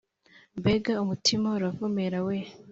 Mbega umutima uravumera, we